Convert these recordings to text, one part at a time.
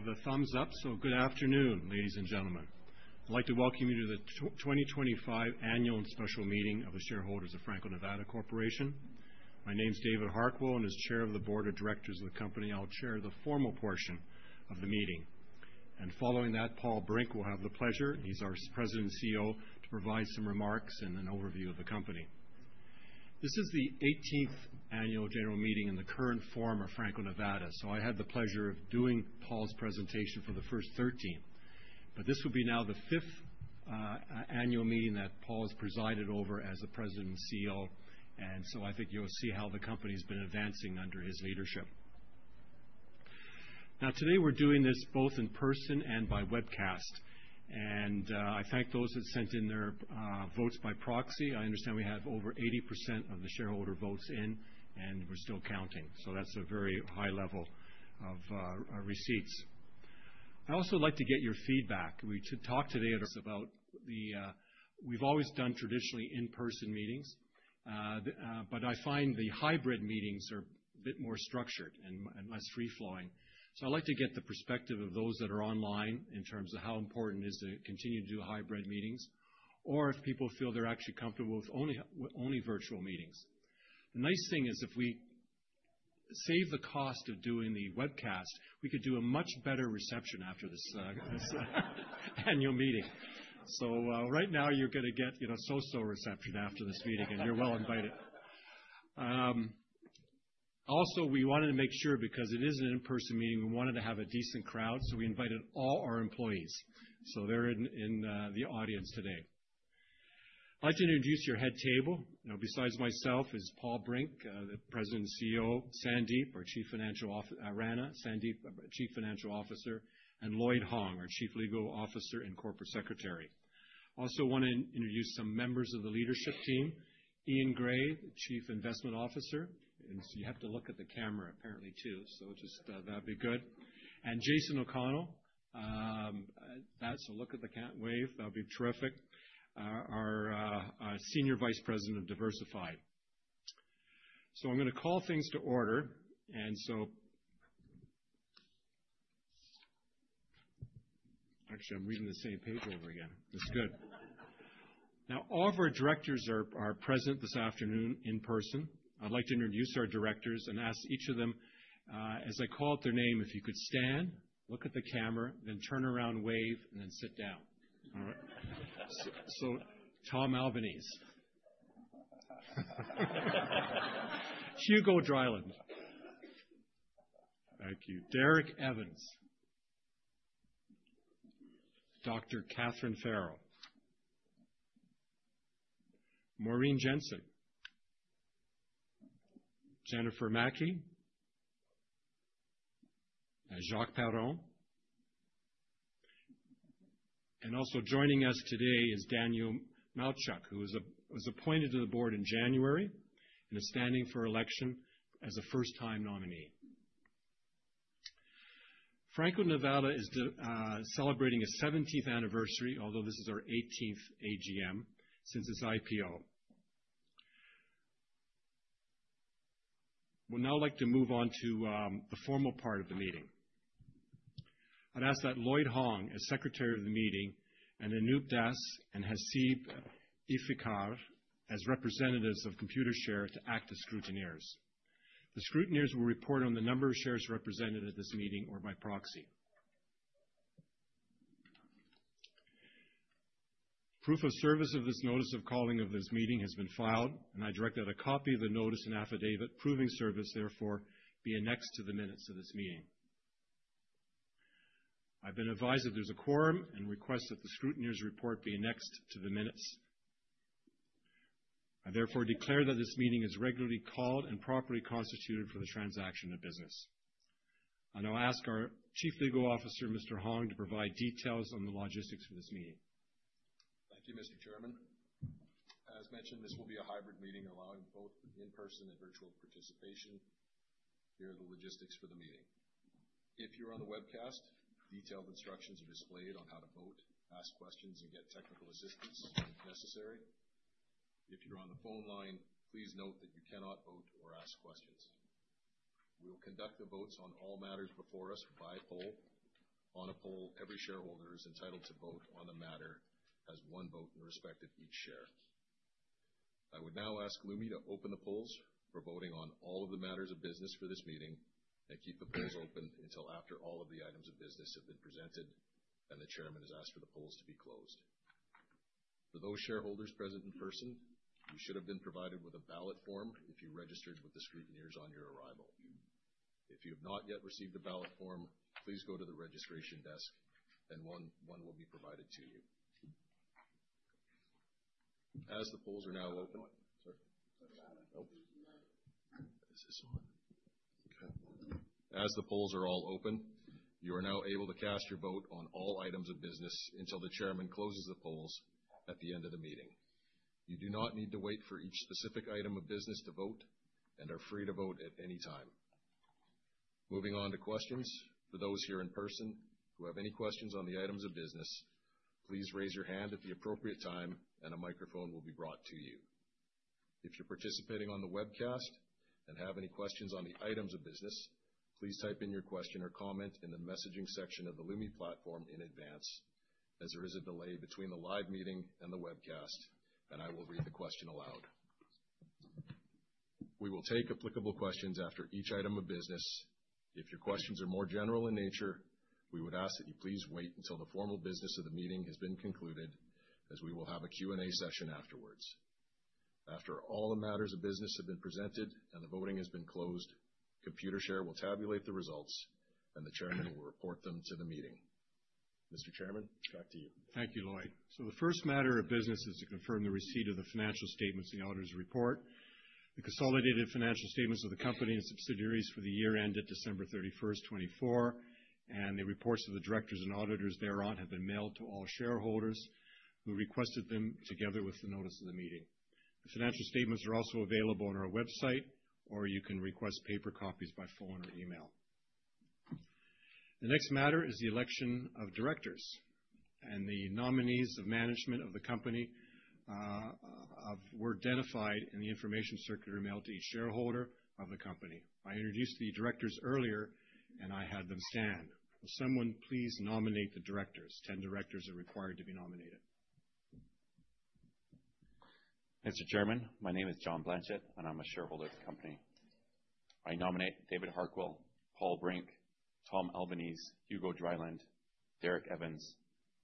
I have the thumbs up, so good afternoon, ladies and gentlemen. I'd like to welcome you to the 2025 Annual and Special Meeting of the Shareholders of Franco-Nevada Corporation. My name is David Harquail, and as Chair of the Board of Directors of the company, I'll chair the formal portion of the meeting. Following that, Paul Brink will have the pleasure—he's our President and CEO—to provide some remarks and an overview of the company. This is the 18th Annual General Meeting in the current form of Franco-Nevada, so I had the pleasure of doing Paul's presentation for the first 13. This will be now the fifth Annual Meeting that Paul has presided over as the President and CEO, and I think you'll see how the company has been advancing under his leadership. Now, today we're doing this both in person and by webcast, and I thank those that sent in their votes by proxy. I understand we have over 80% of the shareholder votes in, and we're still counting, so that's a very high level of receipts. I'd also like to get your feedback. We talked today about the—we've always done traditionally in-person meetings, but I find the hybrid meetings are a bit more structured and less free-flowing. I would like to get the perspective of those that are online in terms of how important it is to continue to do hybrid meetings, or if people feel they're actually comfortable with only virtual meetings. The nice thing is if we save the cost of doing the webcast, we could do a much better reception after this Annual Meeting. Right now you're going to get a so-so reception after this meeting, and you're well invited. Also, we wanted to make sure because it is an in-person meeting we wanted to have a decent crowd, so we invited all our employees. They're in the audience today. I'd like to introduce your head table. Now, besides myself, is Paul Brink, the President and CEO; Sandip Rana, our Chief Financial Officer; and Lloyd Hong, our Chief Legal Officer and Corporate Secretary. I also want to introduce some members of the leadership team: Eaun Gray, the Chief Investment Officer—and you have to look at the camera, apparently, too, so just that'll be good—and Jason O'Connell. That's—so look at the wave. That'll be terrific—our Senior Vice President of Diversified. I'm going to call things to order, and actually, I'm reading the same page over again. That's good. Now, all of our directors are present this afternoon in person. I'd like to introduce our directors and ask each of them, as I call out their name, if you could stand, look at the camera, then turn around, wave, and then sit down. All right. Tom Albanese. Hugo Dryland. Thank you. Derek Evans. Dr. Katherine Farrell. Maureen Jensen. Jennifer Mackey. Jacques Perron. Also joining us today is Daniel Malchuk, who was appointed to the board in January and is standing for election as a first-time nominee. Franco-Nevada is celebrating a 17th anniversary, although this is our 18th AGM, since its IPO. We'd now like to move on to the formal part of the meeting. I'd ask that Lloyd Hong, as Secretary of the Meeting, and Anup Das and Hasib Iftekhar as representatives of Computershare to act as scrutineers. The scrutineers will report on the number of shares represented at this meeting or by proxy. Proof of service of this notice of calling of this meeting has been filed, and I direct that a copy of the notice and affidavit, proving service, therefore, be annexed to the minutes of this meeting. I've been advised that there's a quorum and request that the scrutineers report be annexed to the minutes. I therefore declare that this meeting is regularly called and properly constituted for the transaction of business. I will ask our Chief Legal Officer, Mr. Hong, to provide details on the logistics for this meeting. Thank you, Mr. Chairman. As mentioned, this will be a hybrid meeting allowing both in-person and virtual participation. Here are the logistics for the meeting. If you're on the webcast, detailed instructions are displayed on how to vote, ask questions, and get technical assistance if necessary. If you're on the phone line, please note that you cannot vote or ask questions. We will conduct the votes on all matters before us by poll. On a poll, every shareholder is entitled to vote on the matter as one vote in respect of each share. I would now ask Lumi to open the polls for voting on all of the matters of business for this meeting and keep the polls open until after all of the items of business have been presented, and the Chairman has asked for the polls to be closed. For those shareholders present in person, you should have been provided with a ballot form if you registered with the scrutineers on your arrival. If you have not yet received a ballot form, please go to the registration desk, and one will be provided to you. As the polls are now open. Sorry. Nope. Is this on? Okay. As the polls are all open, you are now able to cast your vote on all items of business until the Chairman closes the polls at the end of the meeting. You do not need to wait for each specific item of business to vote and are free to vote at any time. Moving on to questions. For those here in person who have any questions on the items of business, please raise your hand at the appropriate time, and a microphone will be brought to you. If you're participating on the webcast and have any questions on the items of business, please type in your question or comment in the messaging section of the Lumi Platform in advance, as there is a delay between the live meeting and the webcast, and I will read the question aloud. We will take applicable questions after each item of business. If your questions are more general in nature, we would ask that you please wait until the formal business of the meeting has been concluded, as we will have a Q&A session afterwards. After all the matters of business have been presented and the voting has been closed, Computershare will tabulate the results, and the Chairman will report them to the meeting. Mr. Chairman, back to you. Thank you, Lloyd. The first matter of business is to confirm the receipt of the financial statements and auditor's report, the consolidated financial statements of the company and subsidiaries for the year ended December 31st 2024, and the reports of the directors and auditors thereon have been mailed to all shareholders who requested them together with the notice of the meeting. The financial statements are also available on our website, or you can request paper copies by phone or email. The next matter is the election of directors, and the nominees of management of the company were identified in the information circular mailed to each shareholder of the company. I introduced the directors earlier, and I had them stand. Will someone please nominate the directors? Ten directors are required to be nominated. Mr. Chairman, my name is John Blanchette, and I'm a shareholder of the company. I nominate David Harquail, Paul Brink, Tom Albanese, Hugo Dryland, Derek Evans,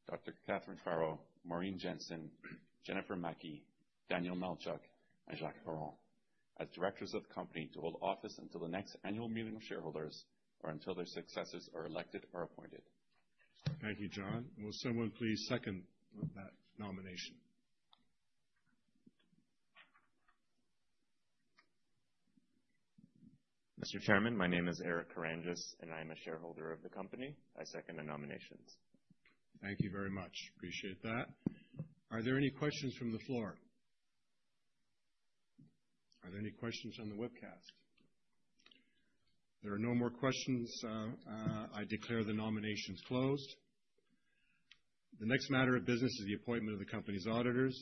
Dr. Katherine Farrell, Maureen Jensen, Jennifer Mackey, Daniel Malchuk, and Jacques Perron as directors of the company to hold office until the next Annual Meeting of Shareholders or until their successors are elected or appointed. Thank you, John. Will someone please second that nomination? Mr. Chairman, my name is Eric Karrandjas, and I'm a shareholder of the company. I second the nominations. Thank you very much. Appreciate that. Are there any questions from the floor? Are there any questions on the webcast? There are no more questions. I declare the nominations closed. The next matter of business is the appointment of the company's auditors.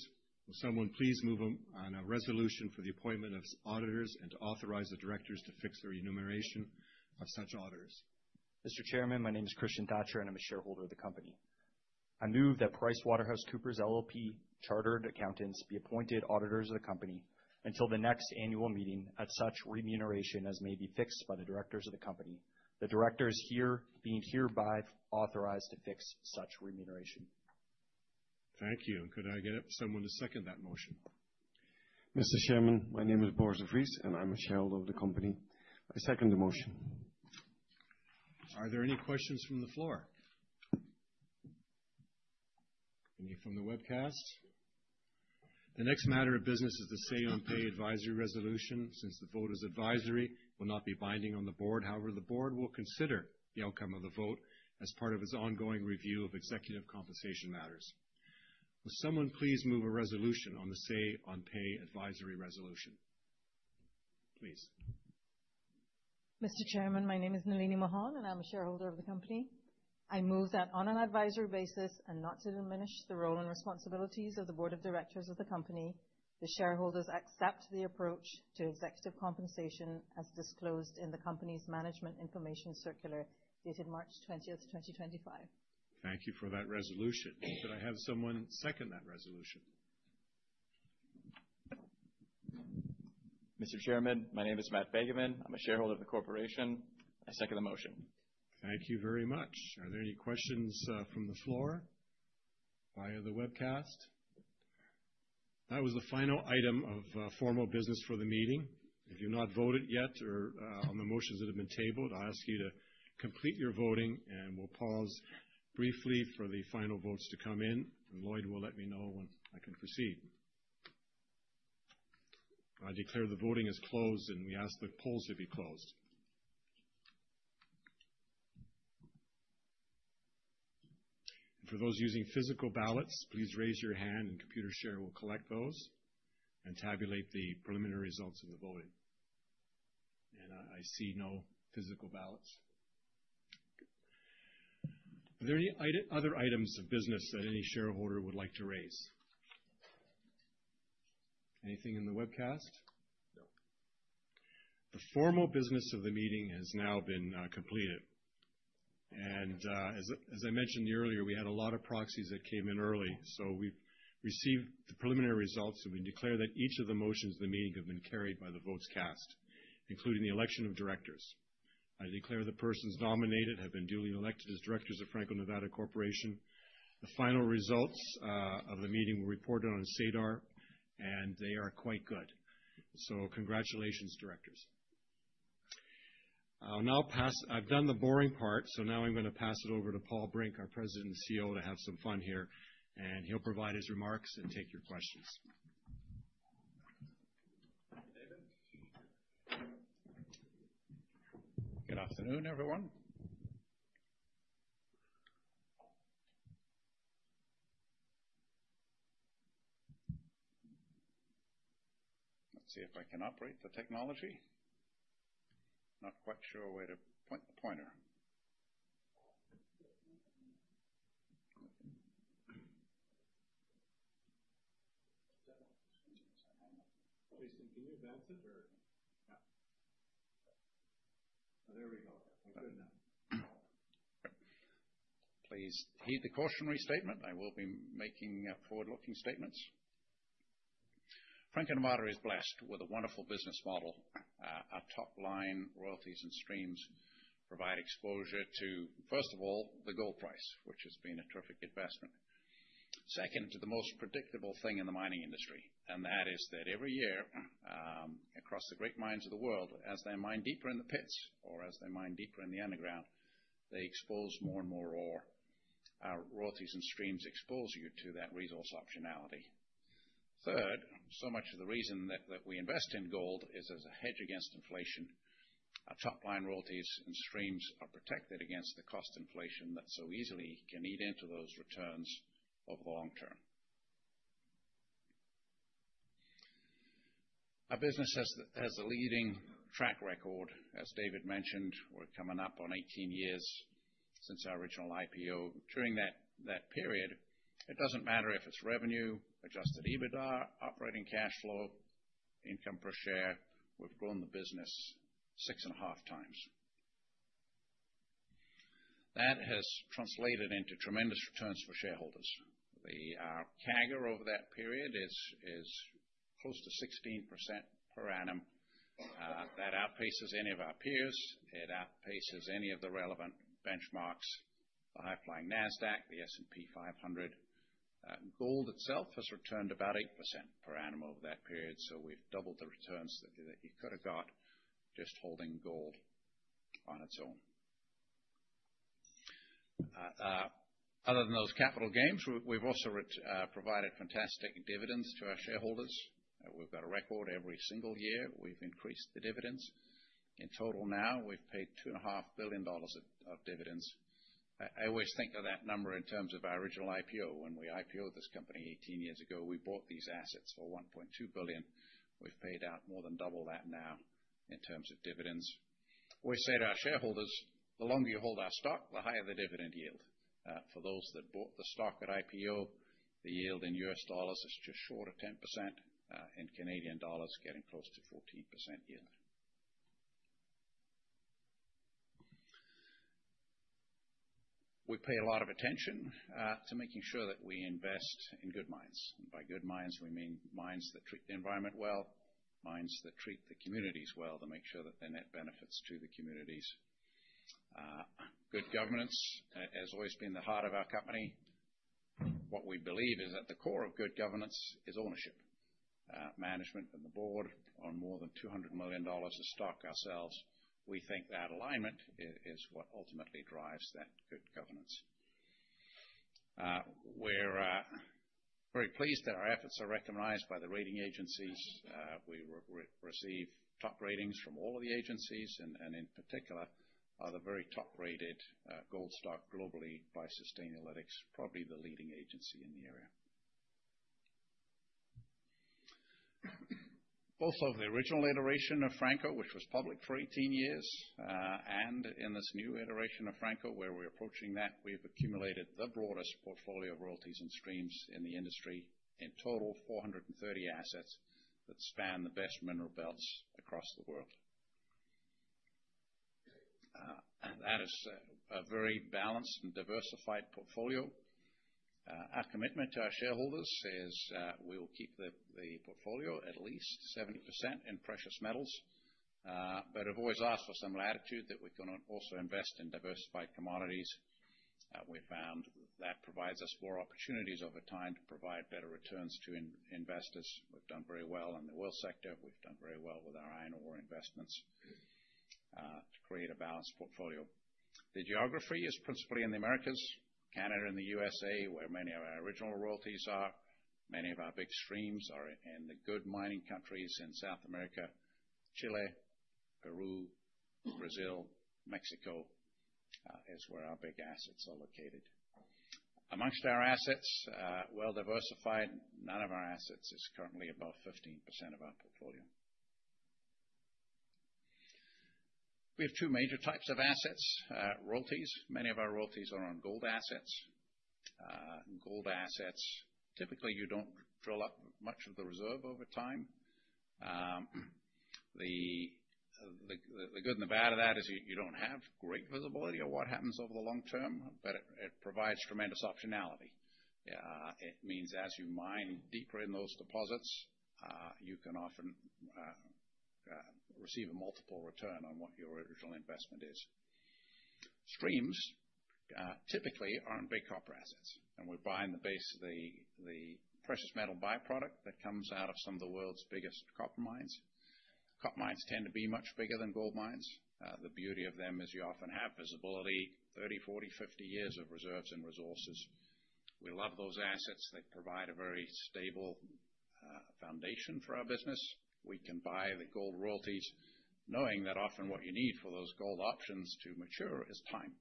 Will someone please move on a resolution for the appointment of auditors and to authorize the directors to fix their remuneration of such auditors? Mr. Chairman, my name is Christian Thatcher, and I'm a shareholder of the company. I move that PricewaterhouseCoopers LLP Chartered Accountants be appointed auditors of the company until the next Annual Meeting at such remuneration as may be fixed by the directors of the company. The directors here being hereby authorized to fix such remuneration. Thank you. Could I get someone to second that motion? Mr. Chairman, my name is Boris De Vries, and I'm a shareholder of the company. I second the motion. Are there any questions from the floor? Any from the webcast? The next matter of business is the say-on-pay advisory resolution. Since the vote is advisory, it will not be binding on the board. However, the board will consider the outcome of the vote as part of its ongoing review of executive compensation matters. Will someone please move a resolution on the say-on-pay advisory resolution? Please. Mr. Chairman, my name is Nalinie Mahon, and I'm a shareholder of the company. I move that on an advisory basis and not to diminish the role and responsibilities of the board of directors of the company, the shareholders accept the approach to executive compensation as disclosed in the company's management information circular dated March 20th 2025. Thank you for that resolution. Could I have someone second that resolution? Mr. Chairman, my name is Matt Begeman. I'm a shareholder of the corporation. I second the motion. Thank you very much. Are there any questions from the floor via the webcast? That was the final item of formal business for the meeting. If you've not voted yet or on the motions that have been tabled, I'll ask you to complete your voting, and we'll pause briefly for the final votes to come in, and Lloyd will let me know when I can proceed. I declare the voting is closed, and we ask the polls to be closed. For those using physical ballots, please raise your hand, and Computershare will collect those and tabulate the preliminary results of the voting. I see no physical ballots. Are there any other items of business that any shareholder would like to raise? Anything in the webcast? No. The formal business of the meeting has now been completed. As I mentioned earlier, we had a lot of proxies that came in early, so we have received the preliminary results, and we declare that each of the motions of the meeting have been carried by the votes cast, including the election of directors. I declare the persons nominated have been duly elected as directors of Franco-Nevada Corporation. The final results of the meeting were reported on SEDAR, and they are quite good. Congratulations, directors. I have done the boring part, so now I am going to pass it over to Paul Brink, our President and CEO, to have some fun here, and he will provide his remarks and take your questions. Good afternoon, everyone. Let's see if I can operate the technology. Not quite sure where to point the pointer. Jason, can you advance it or—yeah. There we go. Good now. Please heed the cautionary statement. I will be making forward-looking statements. Franco-Nevada is blessed with a wonderful business model. Our top-line royalties and streams provide exposure to, first of all, the gold price, which has been a terrific investment. Second, to the most predictable thing in the mining industry, and that is that every year across the great mines of the world, as they mine deeper in the pits or as they mine deeper in the underground, they expose more and more ore. Our royalties and streams expose you to that resource optionality. Third, so much of the reason that we invest in gold is as a hedge against inflation. Our top-line royalties and streams are protected against the cost inflation that so easily can eat into those returns over the long term. Our business has a leading track record. As David mentioned, we're coming up on 18 years since our original IPO. During that period, it doesn't matter if it's revenue, adjusted EBITDA, operating cash flow, income per share, we've grown the business six and a half times. That has translated into tremendous returns for shareholders. The CAGR over that period is close to 16% per annum. That outpaces any of our peers. It outpaces any of the relevant benchmarks, the high-flying NASDAQ, the S&P 500. Gold itself has returned about 8% per annum over that period, so we've doubled the returns that you could have got just holding gold on its own. Other than those capital gains, we've also provided fantastic dividends to our shareholders. We've got a record every single year. We've increased the dividends. In total now, we've paid $2.5 billion of dividends. I always think of that number in terms of our original IPO. When we IPO'd this company 18 years ago, we bought these assets for $1.2 billion. We've paid out more than double that now in terms of dividends. We say to our shareholders, the longer you hold our stock, the higher the dividend yield. For those that bought the stock at IPO, the yield in U.S. dollars is just short of 10%, in Canadian dollars, getting close to 14% yield. We pay a lot of attention to making sure that we invest in good mines. By good mines, we mean mines that treat the environment well, mines that treat the communities well to make sure that they're net benefits to the communities. Good governance has always been the heart of our company. What we believe is at the core of good governance is ownership. Management and the board own more than $200 million of stock ourselves. We think that alignment is what ultimately drives that good governance. We're very pleased that our efforts are recognized by the rating agencies. We receive top ratings from all of the agencies, and in particular, are the very top-rated gold stock globally by Sustainalytics, probably the leading agency in the area. Both of the original iteration of Franco, which was public for 18 years, and in this new iteration of Franco, where we're approaching that, we've accumulated the broadest portfolio of royalties and streams in the industry. In total, 430 assets that span the best mineral belts across the world. That is a very balanced and diversified portfolio. Our commitment to our shareholders is we will keep the portfolio at least 70% in precious metals, but I've always asked for some latitude that we're going to also invest in diversified commodities. We found that provides us more opportunities over time to provide better returns to investors. We've done very well in the oil sector. We've done very well with our iron ore investments to create a balanced portfolio. The geography is principally in the Americas, Canada and the U.S.A., where many of our original royalties are. Many of our big streams are in the good mining countries in South America: Chile, Peru, Brazil, Mexico is where our big assets are located. Amongst our assets, well-diversified, none of our assets is currently above 15% of our portfolio. We have two major types of assets: royalties. Many of our royalties are on gold assets. Gold assets, typically, you don't drill up much of the reserve over time. The good and the bad of that is you don't have great visibility of what happens over the long term, but it provides tremendous optionality. It means as you mine deeper in those deposits, you can often receive a multiple return on what your original investment is. Streams typically are in big copper assets, and we buy in the base of the precious metal byproduct that comes out of some of the world's biggest copper mines. Copper mines tend to be much bigger than gold mines. The beauty of them is you often have visibility: 30, 40, 50 years of reserves and resources. We love those assets. They provide a very stable foundation for our business. We can buy the gold royalties knowing that often what you need for those gold options to mature is time.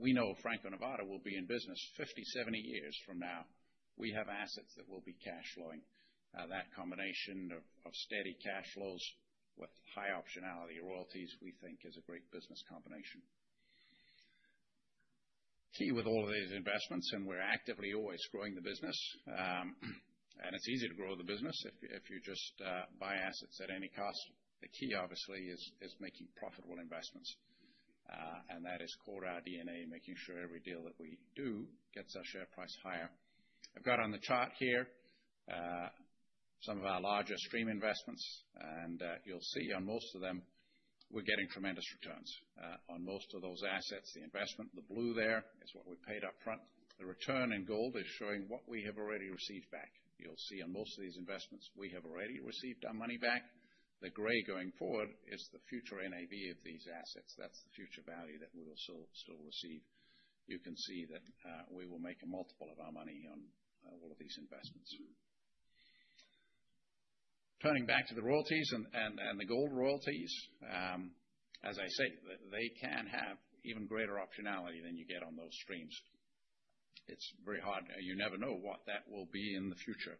We know Franco-Nevada will be in business 50, 70 years from now. We have assets that will be cash flowing. That combination of steady cash flows with high optionality royalties, we think, is a great business combination. Key with all of these investments, and we're actively always growing the business. It's easy to grow the business if you just buy assets at any cost. The key, obviously, is making profitable investments, and that is core to our DNA, making sure every deal that we do gets our share price higher. I've got on the chart here some of our larger stream investments, and you'll see on most of them we're getting tremendous returns. On most of those assets, the investment, the blue there is what we paid upfront. The return in gold is showing what we have already received back. You'll see on most of these investments we have already received our money back. The gray going forward is the future NAV of these assets. That's the future value that we will still receive. You can see that we will make a multiple of our money on all of these investments. Turning back to the royalties and the gold royalties, as I say, they can have even greater optionality than you get on those streams. It's very hard. You never know what that will be in the future.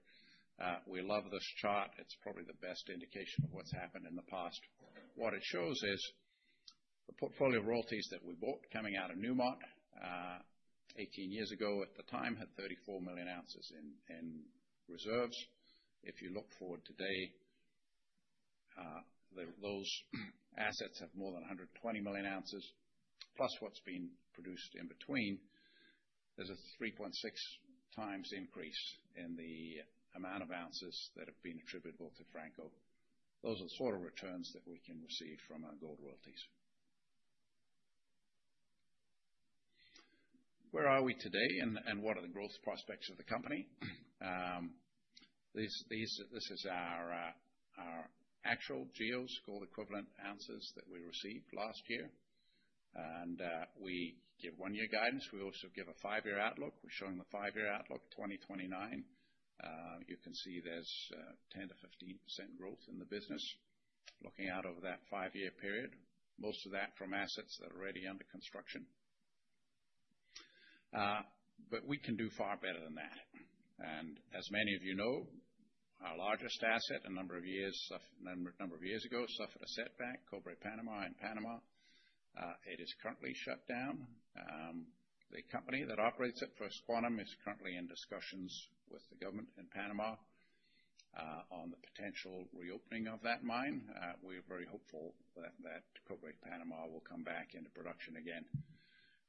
We love this chart. It's probably the best indication of what's happened in the past. What it shows is the portfolio royalties that we bought coming out of Newmont 18 years ago at the time had 34 million oz in reserves. If you look forward today, those assets have more than 120 million oz, plus what's been produced in between. There's a 3.6x increase in the amount of ounces that have been attributable to Franco-Nevada. Those are the sort of returns that we can receive from our gold royalties. Where are we today and what are the growth prospects of the company? This is our actual GEOs, gold equivalent ounces, that we received last year. We give one-year guidance. We also give a five-year outlook. We are showing the five-year outlook, 2029. You can see there is 10%-15% growth in the business looking out over that five-year period, most of that from assets that are already under construction. We can do far better than that. As many of you know, our largest asset, a number of years ago, suffered a setback, Cobre Panamá in Panama. It is currently shut down. The company that operates it, First Quantum, is currently in discussions with the government in Panama on the potential reopening of that mine. We are very hopeful that Cobre Panamá will come back into production again.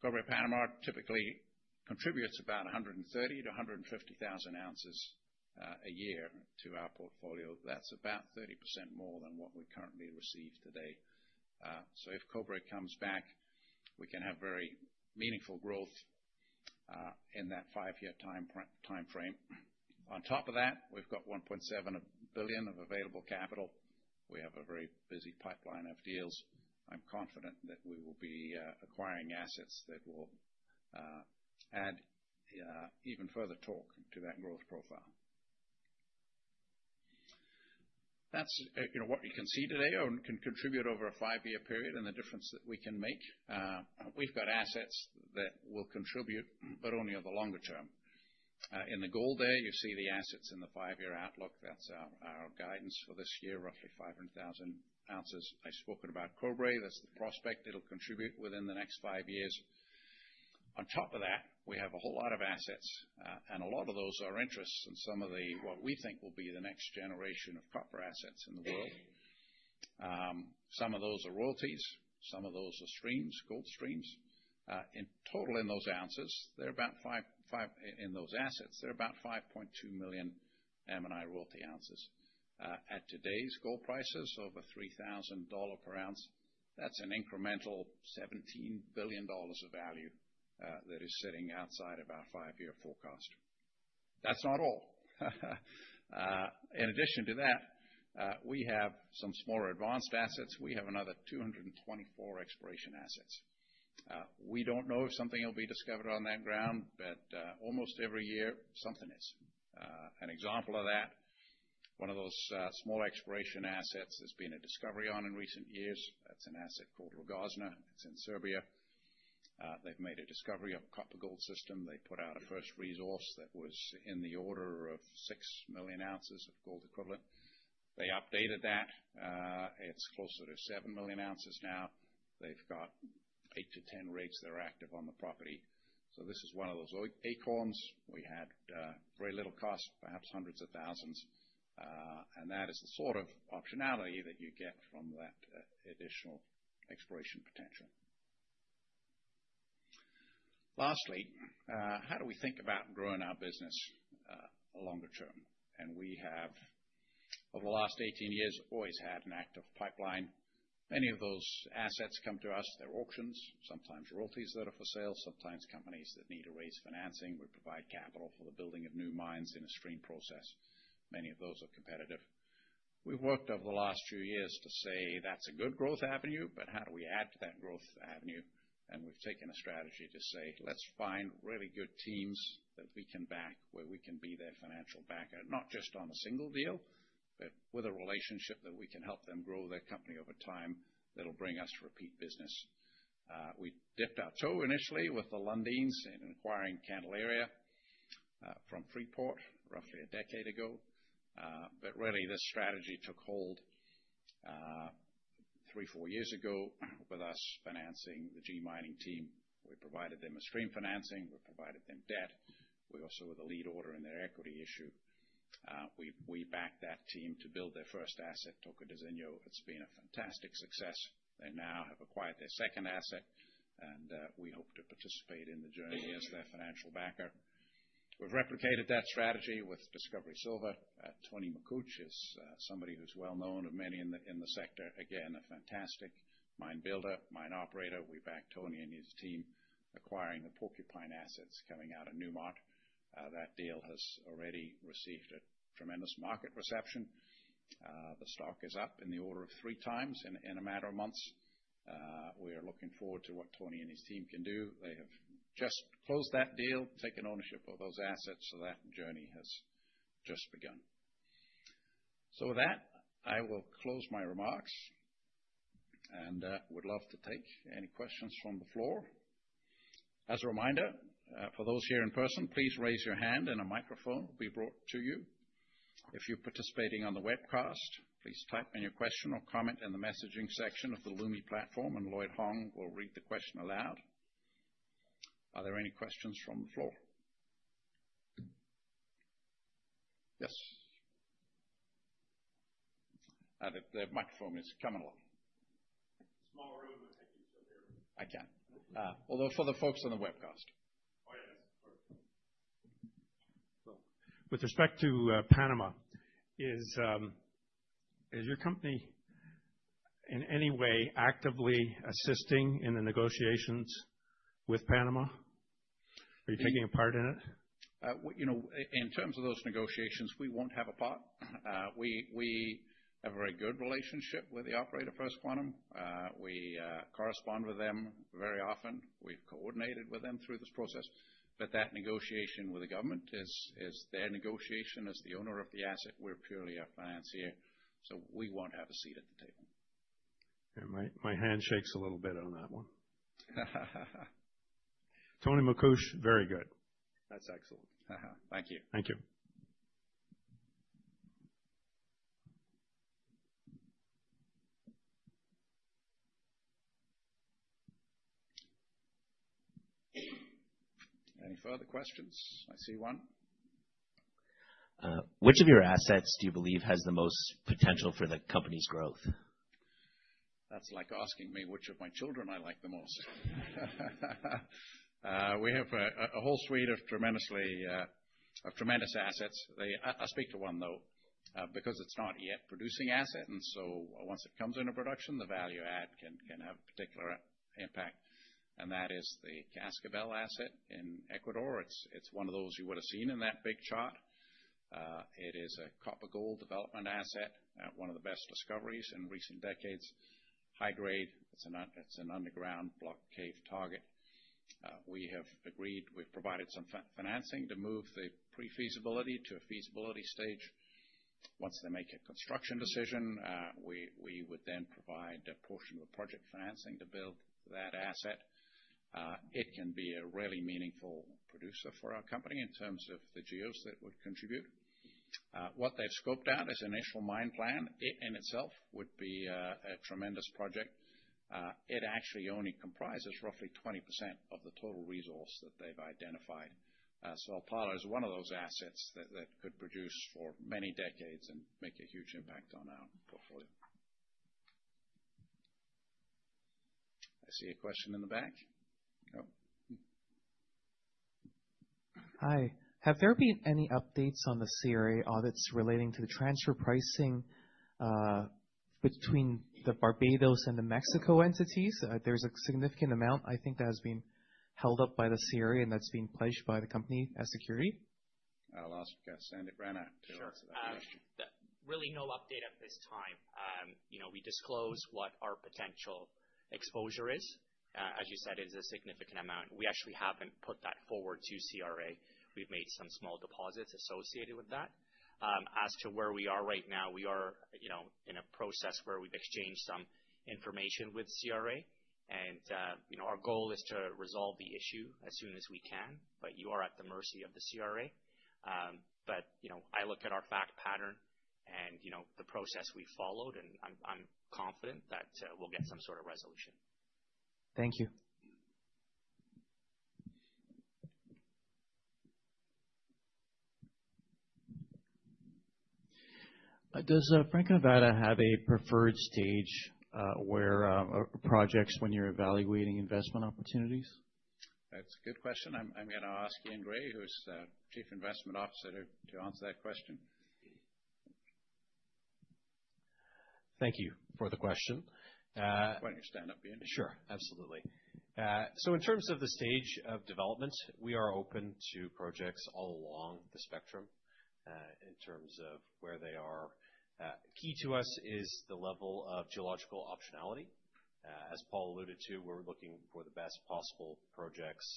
Cobre Panamá typically contributes about 130,000 oz-150,000 oz a year to our portfolio. That is about 30% more than what we currently receive today. If Cobre comes back, we can have very meaningful growth in that five-year time frame. On top of that, we have $1.7 billion of available capital. We have a very busy pipeline of deals. I am confident that we will be acquiring assets that will add even further torque to that growth profile. That is what you can see today and can contribute over a five-year period and the difference that we can make. We have assets that will contribute, but only over the longer term. In the gold there, you see the assets in the five-year outlook. That is our guidance for this year, roughly 500,000 oz. I spoke about Cobre. That is the prospect it will contribute within the next five years. On top of that, we have a whole lot of assets, and a lot of those are interests and some of what we think will be the next generation of copper assets in the world. Some of those are royalties. Some of those are streams, gold streams. In total, in those ounces, they're about five, in those assets, they're about 5.2 million M&I royalty ounces. At today's gold prices of $3,000 per ounce, that's an incremental $17 billion of value that is sitting outside about five-year forecast. That's not all. In addition to that, we have some smaller advanced assets. We have another 224 exploration assets. We don't know if something will be discovered on that ground, but almost every year, something is. An example of that, one of those small exploration assets has been a discovery on in recent years. That's an asset called Rudna Glava. is in Serbia. They have made a discovery of a copper gold system. They put out a first resource that was in the order of 6 million oz of gold equivalent. They updated that. It is closer to 7 million oz now. They have 8-10 rigs that are active on the property. This is one of those acorns. We had very little cost, perhaps hundreds of thousands. That is the sort of optionality that you get from that additional exploration potential. Lastly, how do we think about growing our business longer term? We have, over the last 18 years, always had an active pipeline. Many of those assets come to us. They are auctions, sometimes royalties that are for sale, sometimes companies that need to raise financing. We provide capital for the building of new mines in a stream process. Many of those are competitive. We've worked over the last few years to say that's a good growth avenue, but how do we add to that growth avenue? We've taken a strategy to say, let's find really good teams that we can back, where we can be their financial backer, not just on a single deal, but with a relationship that we can help them grow their company over time that'll bring us repeat business. We dipped our toe initially with the Lundins in acquiring Candelaria from Freeport-McMoRan roughly a decade ago. Really, this strategy took hold three, four years ago with us financing the G Mining team. We provided them with stream financing. We provided them debt. We also were the lead order in their equity issue. We backed that team to build their first asset, Tocantinzinho. It's been a fantastic success. They now have acquired their second asset, and we hope to participate in the journey as their financial backer. We've replicated that strategy with Discovery Silver. Tony Makuch is somebody who's well known to many in the sector. Again, a fantastic mine builder, mine operator. We backed Tony and his team acquiring the Porcupine assets coming out of Newmont. That deal has already received a tremendous market reception. The stock is up in the order of three times in a matter of months. We are looking forward to what Tony and his team can do. They have just closed that deal, taken ownership of those assets. That journey has just begun. With that, I will close my remarks and would love to take any questions from the floor. As a reminder, for those here in person, please raise your hand and a microphone will be brought to you. If you're participating on the webcast, please type in your question or comment in the messaging section of the Lumi Platform, and Lloyd Hong will read the question aloud. Are there any questions from the floor? Yes. The microphone is coming along. Small room, I think you still hear me. I can. Although for the folks on the webcast. Oh, yes. With respect to Panama, is your company in any way actively assisting in the negotiations with Panama? Are you taking a part in it? In terms of those negotiations, we won't have a part. We have a very good relationship with the operator, First Quantum. We correspond with them very often. We've coordinated with them through this process. That negotiation with the government is their negotiation as the owner of the asset. We're purely a financier. We won't have a seat at the table. My hand shakes a little bit on that one. Tony Makuch, very good. That's excellent. Thank you. Thank you. Any further questions? I see one. Which of your assets do you believe has the most potential for the company's growth? That's like asking me which of my children I like the most. We have a whole suite of tremendous assets. I'll speak to one, though, because it's not yet producing asset. Once it comes into production, the value add can have a particular impact. That is the Cascabel asset in Ecuador. It's one of those you would have seen in that big chart. It is a copper gold development asset, one of the best discoveries in recent decades. High grade. It's an underground block cave target. We have agreed. We've provided some financing to move the pre-feasibility to a feasibility stage. Once they make a construction decision, we would then provide a portion of the project financing to build that asset. It can be a really meaningful producer for our company in terms of the GEOs that would contribute. What they've scoped out as an initial mine plan in itself would be a tremendous project. It actually only comprises roughly 20% of the total resource that they've identified. Alpala is one of those assets that could produce for many decades and make a huge impact on our portfolio. I see a question in the back. Hi. Have there been any updates on the CRA audits relating to the transfer pricing between the Barbados and the Mexico entities? There's a significant amount, I think, that has been held up by the CRA and that's been pledged by the company as security. I lost my guess. And it ran out too. Sure. Really no update at this time. We disclose what our potential exposure is. As you said, it's a significant amount. We actually haven't put that forward to CRA. We've made some small deposits associated with that. As to where we are right now, we are in a process where we've exchanged some information with CRA. Our goal is to resolve the issue as soon as we can. You are at the mercy of the CRA. I look at our fact pattern and the process we followed, and I'm confident that we'll get some sort of resolution. Thank you. Does Franco-Nevada have a preferred stage where projects when you're evaluating investment opportunities? That's a good question. I'm going to ask Eaun Gray, who's Chief Investment Officer, to answer that question. Thank you for the question. Why don't you stand up, Eaun? Sure. Absolutely.In terms of the stage of development, we are open to projects all along the spectrum in terms of where they are. Key to us is the level of geological optionality. As Paul alluded to, we're looking for the best possible projects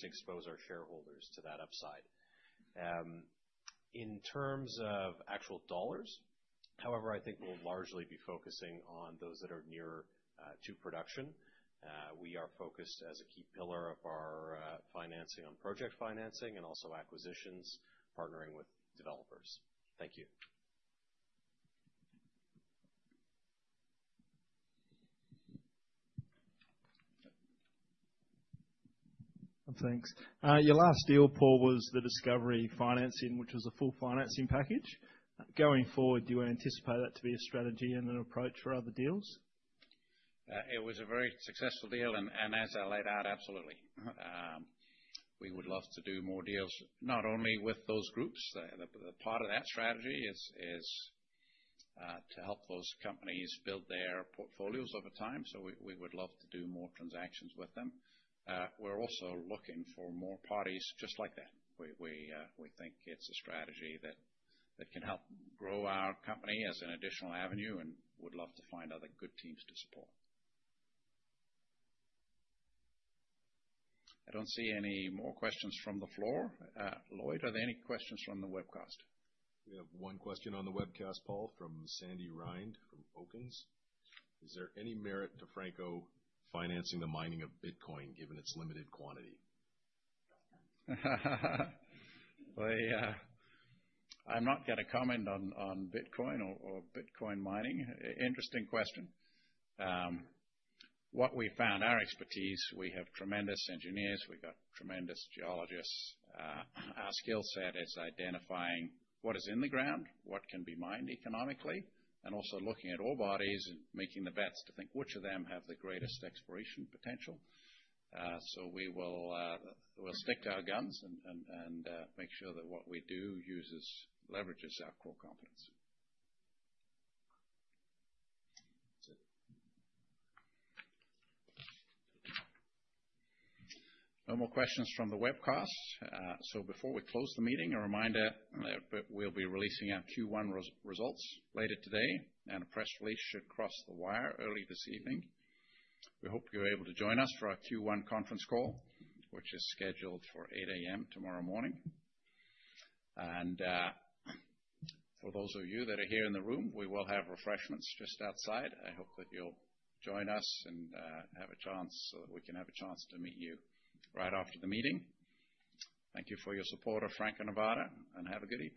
to expose our shareholders to that upside. In terms of actual dollars, however, I think we'll largely be focusing on those that are nearer to production. We are focused as a key pillar of our financing on project financing and also acquisitions, partnering with developers. Thank you. Thanks. Your last deal, Paul, was the Discovery Financing, which was a full financing package. Going forward, do you anticipate that to be a strategy and an approach for other deals? It was a very successful deal. As I laid out, absolutely. We would love to do more deals, not only with those groups. Part of that strategy is to help those companies build their portfolios over time. We would love to do more transactions with them. We're also looking for more parties just like that. We think it's a strategy that can help grow our company as an additional avenue and would love to find other good teams to support. I don't see any more questions from the floor. Lloyd, are there any questions from the webcast? We have one question on the webcast, Paul, from Sandy Rhind from Oaklins. Is there any merit to Franco-Nevada financing the mining of Bitcoin given its limited quantity? I'm not going to comment on Bitcoin or Bitcoin mining. Interesting question. What we found, our expertise, we have tremendous engineers. We've got tremendous geologists. Our skill set is identifying what is in the ground, what can be mined economically, and also looking at all bodies and making the bets to think which of them have the greatest exploration potential. We will stick to our guns and make sure that what we do leverages our core competence. No more questions from the webcast. Before we close the meeting, a reminder that we will be releasing our Q1 results later today and a press release should cross the wire early this evening. We hope you are able to join us for our Q1 conference call, which is scheduled for 8:00 A.M. tomorrow morning. For those of you that are here in the room, we will have refreshments just outside. I hope that you will join us and have a chance so that we can have a chance to meet you right after the meeting. Thank you for your support of Franco-Nevada and have a good evening.